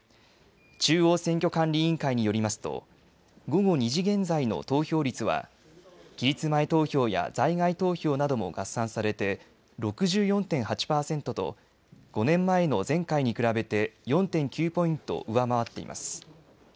中央選挙管理委員会によりますと午後２時現在の投票率は期日前投票や在外投票なども合算されて６４．８％と５年前の前回に比べて４．９ポイント上回っています。